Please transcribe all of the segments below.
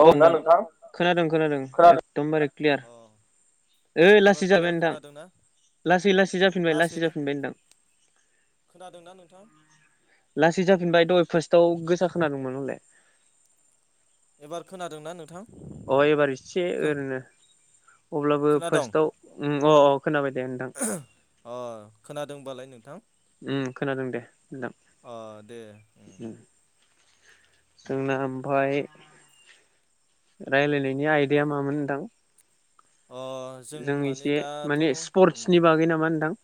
अ नोंथां खोनादों खोनादों एकदमबारे क्लियार ओइ लासै जाबाय नोंथां लासै लासै जाफिनबाय लासै जाफिनबाय नोंथां लासै जाफिनबाय दहाय फास्ट थाव गोसा खोनादोंंमोन हले एबार खोनादों ना नोंथां? अ एबार इसे ओरैनो अब्लाबो फार्स्टआव उम अ अ खोनाबाय दे नोंथां खोनादोंबालाय नोंथां। उम खोनादों दे अ दे जोंना ओमफाय रायलायनायनि आयदाया मामोन नोंथां? जों इसे माने स्पर्टसनि बागै नामा नोंथां?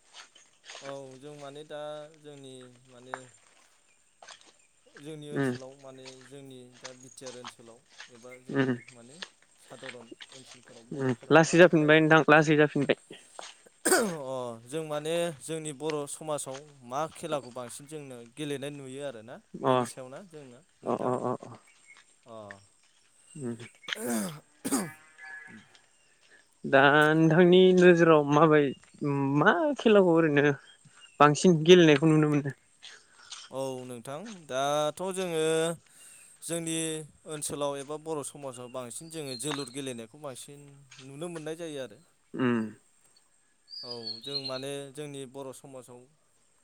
दा जोंनि माने जोंनि ओनसोलाव माने जोंनि दा बिटिआर ओनसोलाव एबा जोंनि माने सादारन उ लासै जाफिनबाय नोंथां लासै जाफिनबाय। [inaudible] अ जों माने जोंनि बर' समाजाव मा खेलाखौ बांसिन जोंनो गेलेनाय नुयो आ आरोना बिनि सायावनो जोंनो नोंथां [inaudible] [inaudible] दा नोंथांनि नोजोराव माबाय मा खेलाखौ ओरैनो बांसिन गेलेनायखौ नुनो मोनो? औ नोंथां दाथ' जोङो जोंनि ओनसोलाव एबा बर' समाजाव बांसिन जोङो जोलुर गेलेनायखौ बांसिन नुनो मोननाय जायो आरो। उम औ जों माने जोंनि बर' समाजाव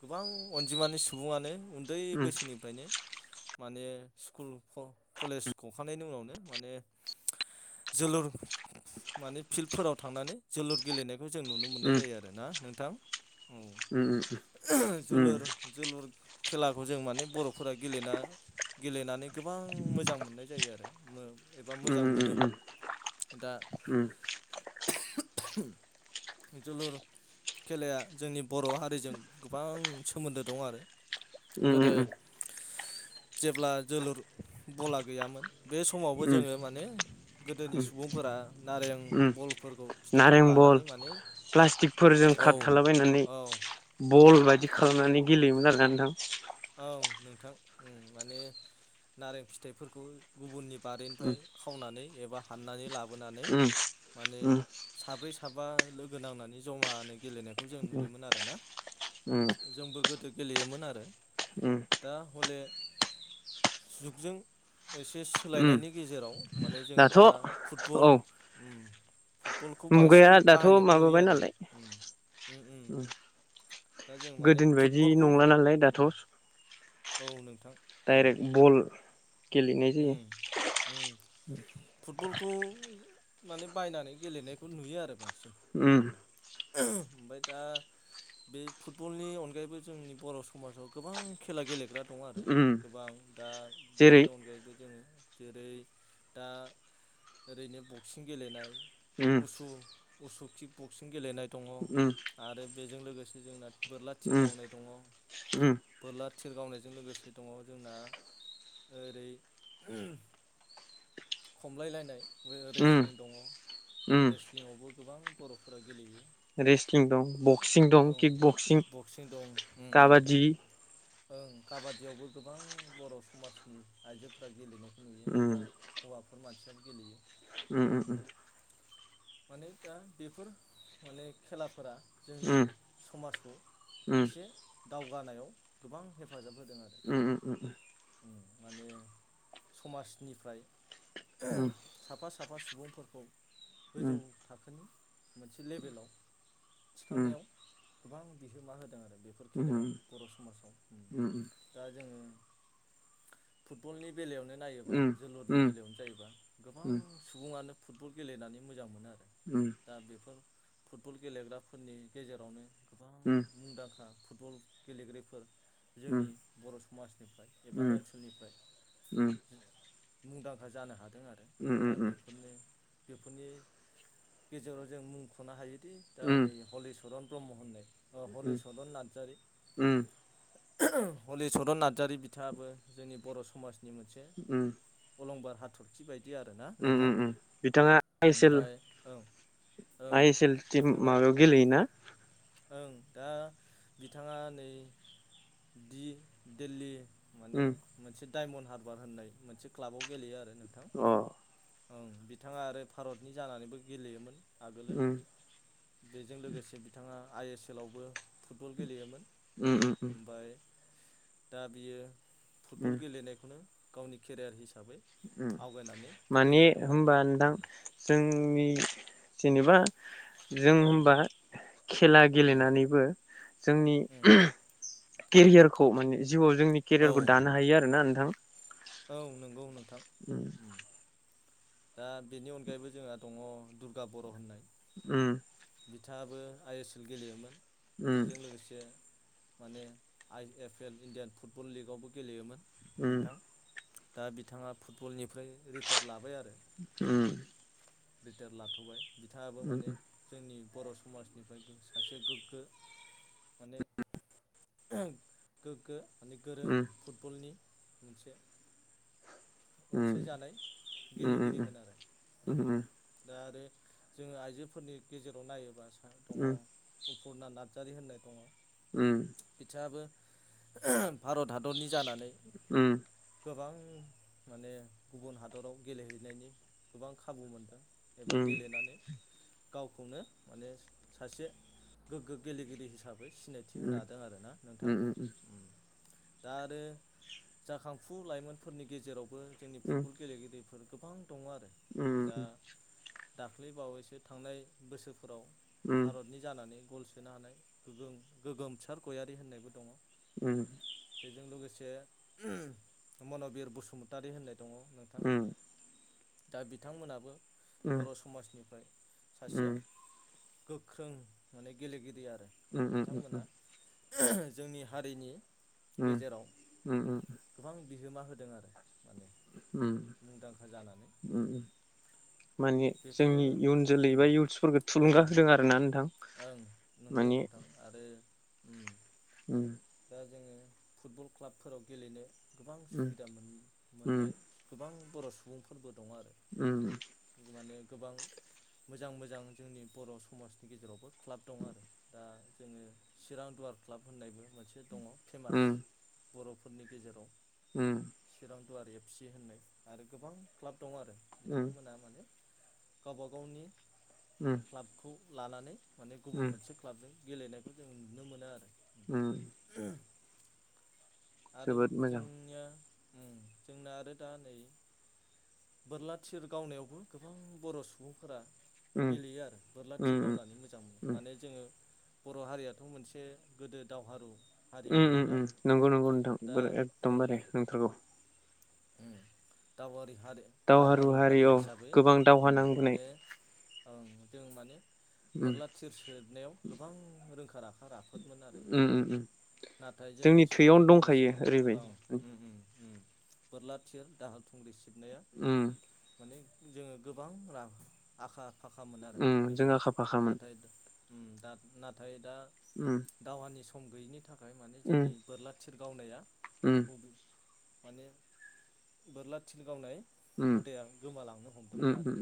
गोबां अनजिमानि सुबुङानो उम उन्दै बैसोनिफ्रायनो माने स्कुल क कलेज गखांनायनि उनावनो माने जोलुर माने फिल्डफोराव थांनानै जोलुर गेलेनाय बेखौ जों नुनो मोननाय जायो आरो ना नोंथां? जुलोर जोलुर खेलाखौ जों माने बर'फोरा गेलेना गेलेनानै गोबां मोजां मोननाय जायो आरो मो एबा मोजां मोनो। दा जोलुर खेलाया जोंनि बर' हारिजों गोबां सोमोन्दो दं आरो। गोदो जेब्ला जोलुर बला गैयामोन बे समावबो जोङो माने गोदोनि सुबुंफोरा नारें बल नारें बल प्लास्टिकफोरजों खारथालाबायनानै बल बायदि खालामनानै गेलेयोमोन आरोना नोंथां। औ नोंथां माने नारें फिथाइफोरखौ गुबुननि बारिनिफ्राय खावनानै एबा हाननानै लाब नानै माने साब्रै थाबा लोगो नांनानै जमानो गेलेनायखौ जों नुयोमोन आरोना जोंबो गोदो गेलेयोमोन आरो दा हले जुगजों एसे सोलायनायनि गेजेराव माने जोङो दा फुटबल फुटबलखौ बांसिन बाहायनायखौ नुयो आरो उम उम दा जों माने फुटबलखौ औ नों दाइरेक्ट बल गेलेनाय जायो। खौ माने बायनानै गेलेनायखौ नुयो आरो। [unintelligible] ओमफ्राय दा बे फुटबलनि अनगायैबो जोंनि बर' समाजाव गोबां खेला गेले ग्रा दं आरो गोबां दा बेनि अनगायै जोङो जेरै दा ओरैनो बक्सिं गेलेनाय। उसु असु किक बक्सिं गेलेनाय दङ आरो बेजों लोगोसे जोंना बोरला थिर गावनाय दङ। बोरला थिर गावनायजों लोगोसे दङ जोंना ओरै उम खमलाय लायनाय बे रेस्लिं दङ रेस्लिंआवबो गोबां बर'फोरा गेलेयो। रेस्लिं दं बक्सिं दं किक बक्सिं काबादि ओं काबादियावबो गोबां बर' समाजनि आइजोफोरा गेलेनाय उम मानसियाबो गेलेयो उम उम उम माने दा बेफोर माने खेलाफोरा जोंनि समाजखौ एसे दावगानायाव गोबां हेफाजाब होदों आरो उम माने समाजनिफ्राय साफा साफा सुबुंफोरखौ गोजौ थाखोनि मोनसे लेभेलाव थिखांनायाव गोबां बिहोमा होदों आरो बेफोर खेलाया बर' समाजाव उम दा जोङो फुटबलनि बेलायावनो नायोबा जोलुरनि बेलायावनो जायोबा गोबां सुबुङानो फुटबल गेलेनानै मोजां मोनो आरो। दा बेफोर फुटबल गेलेग्राफोरनि गेजेरावनो गोबां मुंदांखा फुटबल गेलेगिरिफोर फोर जोंनि बर' समाजनिफ्राय एबा ओनसोलनिफ्राय मुंदांखा जानो हादों आरो दा बेफोरनो बेफोरनि गेजेराव जों मुंख'नो हायोदि दा नै हलिचरन ब्रह्म होननाय अ हलिचरन नार्जारि हलिचरन नार्जारी बिथाङाबो जोंनि बर' समाजनि मोनसे अलंबार हाथरखि बायदि आरो ना नोंथां? बिथाङा I S L I S L team माबायाव गेलेयोना? दा बिथाङा नै दि दिल्ली माने मोनसे डायमन्ड हार्बार होननाय मोनसे क्लाबाव गेलेयो आरो नोंथां। ओं बिथाङा आरो भारतनि जानानैबो गेलेयोमोन आगोलो। बेजों लोगोसे बिथाङा ओमफ्राय दा बियो फुटबल गेलेनायखौनो गावनि केरियार हिसाबै आव मानि होमबा नोंथां जों नि जेनेबा जों होनबा खेला गेलेनानैबो जोंनि केरियारखौ माने जिउआव जोंनि केरियारखौ दानो हायो आरो ना नोंथां। औ नंगौ। [unintelligible] [inaudible] दा बेनि अनगायैबो जोंहा दङ' दुर्गा बर' होननाय। उम। बिथाङाबो आइ एस एल गेलेयोमोन। बेजों लोगोसे माने I F L Indian football लिगावबो गेलेयोमोन। उम। दा बिथाङा फुटबलनिफ्राय रिटायार लाबाय आ उम। रिटायार लाथ'बाय। बिथाङाबो माने जोंनि बर' समाजनिफ्राय गो सासे गोग्गो माने ओं गोगो माने गोरों फुटबलनि मोनसे अनसायजानाय गेलेगिरिमोन आरो दा आरो जोङो आइजोफोरनि गेजेराव नायोबा दङ' अपुरना नाथ जारि होननाय दङ'। बिथाङाबो [inaudible] भारत हादरनि जानानै गोबां [inaudible] माने गुबुन हादराव गेलेहैनायनि गोबां खाबु मोनदों एबा गेलेनानै गावखौनो माने सासे गोग्गो गेलेगिरि हिसाबै सिनायथि होनो हादों आर ना नोंथां दा आरो जाखांफु लाइमोनफोरनि गेजेराव बो जोंनि फुटबल गेलेगिरि गोबां दङआरो दा दाख्लै बावैसो थांनाय बोसोर फोराव भारतनि जानानै गल सोनो हानाय गोगोम गोगोमसार गयारि होननायबो दङ [inaudible] बेजों लोगोस [unintelligible] म'न'बिर बसुमत तारि होननाय दङ नोंथां दा बिथांमोनाबो बर' समाजनिफ्राय सासे गोख्रों माने गेलेगिरिआ उम उम उम उम जोंनि हारिनि गेजेराव गोबां बिहोमा होदोंआरो मुंदांखा जानानै उम माने जोंनि इयुन जोलै बा इयुथ्सफोरखो थुलुंगा होदों आरोना नोंथां ओं नोंगौ नोंथां आरो ओ उम उम जोङो फुटबल क्लाबफोराव गेलेनो गोबां सुबिदा मोन मोननाय गोबां बर' सुबुंफोरबो दंआरो माने गोबां मोजां मोजां जोंनि बर' समाज गेजेरावबो क्लाब दंआरो दा जोङो चिरां दुवार क्लाब होननायबो मोनसे दङ फेमास बर'फोरनि गेजेराव उम। दुआर एफ सि होननाय आरो गोबां क्लाप दं आरो बिथांमोना माने गावबा गावनि क्लापखौ लानानै माने गुबुन मोनसे क्लापजों गेलेनायखौ जों नुनो मोनो आरो। ओम। आरो जोंनिया ओम जोंना आरो दा नै बोरला थिर गावनायावबो गोबां बर' सुबुंफोरा गेलेयो आरो बोरला थिरगावनानै मोजां मोनो माने जोङो बर' हारियाथ' मोनसे गोदो दावहारु ओम ओम ओम नंगौ नं गौ एकदमबारे नोंथोरगौ। ओम दावारि हारि दावहारु हारि हिसाबै ओम माने ओं दों माने बोरला थिर सोननायाव गोबां रोंखा राखा रा खफोदमोन आरो नाथाय जोंनि समजों लोगोसे ओं ओम ओम ओम। बोरला थिर दाहाल थुंग्रि सिर खबनाया माने जोङो गोबां रां आखा फाखा मोन आरो गोदो नाथाय ओम दा नाथाय दा दावहानि सम खम गैनि थाखाय माने जोंनि बोरला थिर गावनाया हबि माने बोरला थिल गावनाय हुदाया गोमालांनो हमदोंमोन आरो।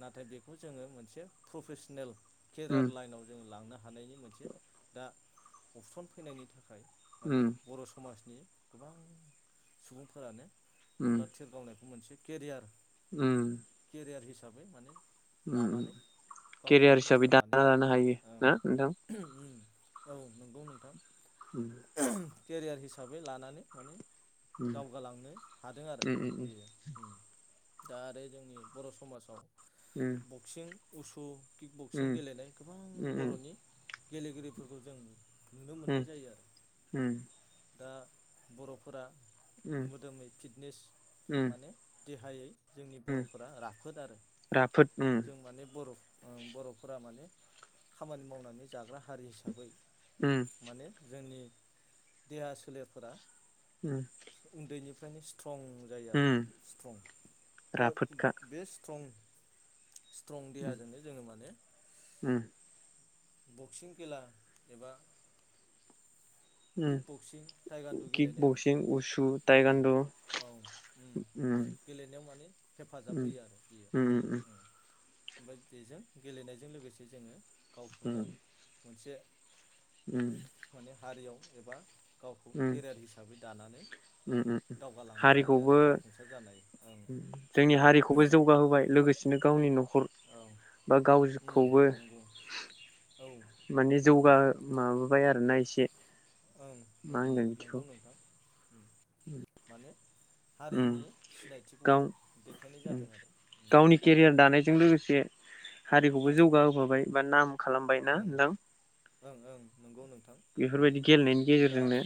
नाथाय बेखौ जोङो मोनसे प्रफेसनेल केरियार लाइनाव जोंङो लांनो हायो। हानायनि मोनसे दा अपसन फैनायनि थाखाय माने बर' समाज गोबां सुबुंफोरानो बोरला थिर गावनायखौ मोनसे केरियार उम हिसाबै माने उम उम केरियार हिसाबै दाना लानो हायो ना नोंथां औ नंगौ नोंथां। उम केरियार हिसाबै लानानै माने दावगालांनो हादों आरो बेयो दा आरो जोंनि बर' समाजाव बक्सिं उसु बे बक्सिं गेलेनाय गोबां बर'नि गेलेगिरिफोरखौ जोंनो नुनो मोननाय जायो आरो दा बर'फोरा मोदोमै फिटनेस माने देहायै जोंनि बर'फोरा राफोद आरो जों माने बर' बर'फोरा माने खामानि मावनानै जाग्रा हारि हिसाबै माने जोंनि देहा सोलेरफोरा उम उन्दैनिफ्रायनो स्ट्रं जायो आरो स्ट्रं बा बे स्ट्रं स्ट्रं देहाजोंनो जोङो माने बक्सिं खेला एबा किक बक्सिं टाइगान्ड गेलेनायाव औ गेलेनायाव माने हेफाजाब होयो आरो बेयो ओमफ्राय बेजों गेलेनायजों लोगोसे जोंङो गावखौनो मोनसे [unintelligible] माने हारियाव एबा गावखौ केरियार हिसाबै दानानै दावगालांनो हायो आरो जाफुंसार जानाय ओ। बिदिनो गावनि न नखर बा गावखौबो माने जौगा माबोबाय आरो आरनाय एसे ओं उम उम नंगौ नोंथां। माने? उम गाव गावनि केरियार दानायजों लोगोसे हारिखौबो जौग होफाबाय। बानाम खालामबाय ना नों? ओं ओं नंगौ नों बेफोरबायदि गेलेनायनि गेजेरजोंनो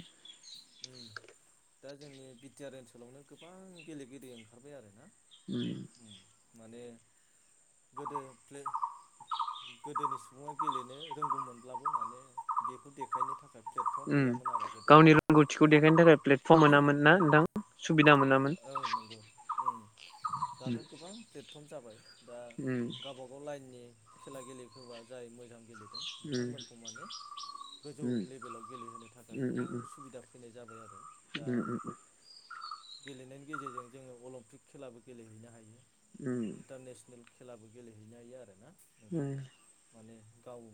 दा जोंनि बिटिआर ओनसोलावनो गोबां गेलेगिरि ओंखारबाय आरो ना। उम माने गोदो [unintelligible] गोदोनि सुबुंङा गेलेनो रोंगौमोनब्लाबो माने बेखौ देखायनो थाखाय प्लेटफर्म गैयामोन आरो गोदो दा माने उम औ नंगौ उम दाथ गोबां प्लेटर्म [unintelligible] जाबाय दा गावबाागाव लाइननि खेला गेलेयोफोरबा जाय मोजां गेले बिथांमोनखौ माने गोजौ लेभेलाव गेलेहोनो थाखाय गोबां सुबिदा फैनाय जाबाय आरो। दा गेलेनायनि गेजेरजों जोंङो अलिम्पिक खेलाबो गेलेहैनो हायो। इन्टारनेसनेल खेलाबो गेलेहैनो हायो आरो ना। उम माने गाव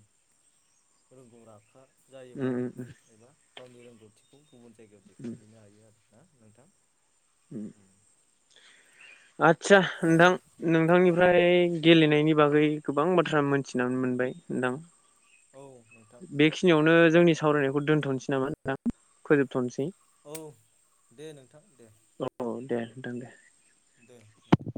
रोंगौ राखा जायोबा आरो एबा गावनि रोंगौथिखौ गुबुन जायगायाव देखायहैनो हायो आरो। ना नोंथा? उम। आदसा नोंथां नोंथांनिफ्राय गेलेनायनि बागै गोबां बाथ्रा मोनथिनानै मोनबाय नोंथां। बेखिनियावनो जोंनि सावरायनायखौ दोन नामा नोंथां फोजोबथनसै। औ दे नोंथां। औ दे नोंथां दे। दे नोंथां।